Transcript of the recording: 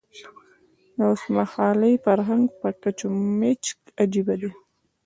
د اوسمهالي فرهنګ په کچ و میچ عجیبه دی.